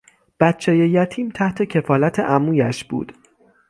بچهی یتیم تحت کفالت عمویش بود.